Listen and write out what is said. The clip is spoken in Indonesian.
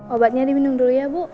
obatnya diminum dulu ya bu